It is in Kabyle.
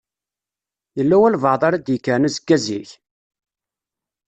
Yella walebɛaḍ ara d-yekkren azekka zik?